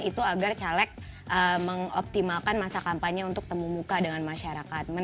itu agar caleg mengoptimalkan masa kampanye untuk temu muka dengan masyarakat